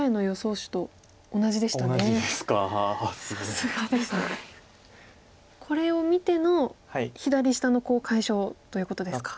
さすがですね。これを見ての左下のコウ解消ということですか。